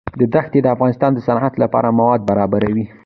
دښتې د افغانستان د صنعت لپاره مواد برابروي.